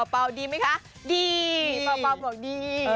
ป๋าดีไหมคะดีป๋าบอกดี